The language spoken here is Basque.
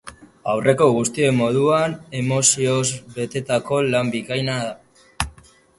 Aurreko guztien moduan, emozioz betetako lan bikaina da.